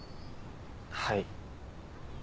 はい。